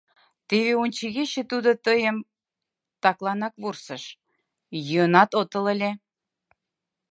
— Теве ончыгече тудо тыйым такланак вурсыш, йӱынат отыл ыле...